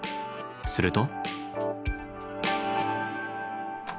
すると。